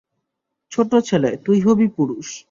ছোট্ট ছেলে, তুই হবি পুরুষ।